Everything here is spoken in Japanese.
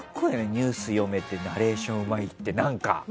ニュース読めてナレーションうまいって。